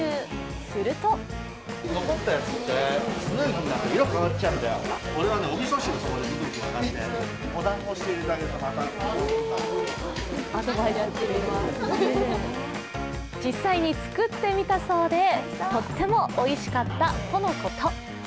すると実際に作ってみたそうで、とってもおいしかったとのこと。